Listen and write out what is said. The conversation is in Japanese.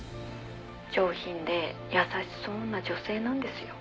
「上品で優しそうな女性なんですよ」